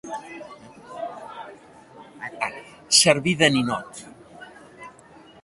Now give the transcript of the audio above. Servir de ninot.